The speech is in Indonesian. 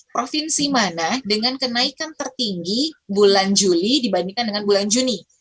provinsi mana dengan kenaikan tertinggi bulan juli dibandingkan dengan bulan juni